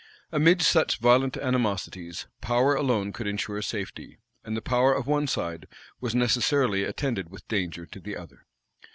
Amidst such violent animosities, power alone could insure safety; and the power of one side was necessarily attended with danger to the other.